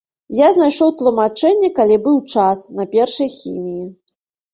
Я знайшоў тлумачэнне, калі быў час, на першай хіміі.